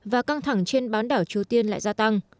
và căng thẳng trên bán đảo triều tiên lại gia tăng